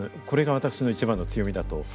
これが私の一番の強みだと。